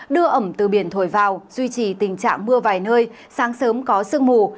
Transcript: đưa ẩm từ biển thổi vào duy trì tình trạng mưa vài nơi sáng sớm có sương mù